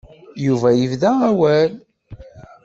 Yuba yebda awal.